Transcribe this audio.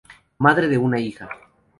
Madre de una hija.